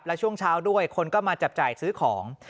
และช่วงเช้าด้วยคนก็มาจับจ่ายซื้อของ